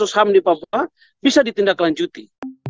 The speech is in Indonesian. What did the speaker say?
kasus ham di papua bisa ditindaklanjuti